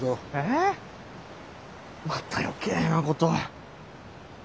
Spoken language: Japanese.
えまた余計なことを。